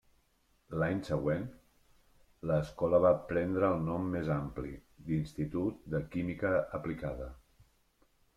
L’any següent, l’escola va prendre el nom més ampli d’Institut de Química Aplicada.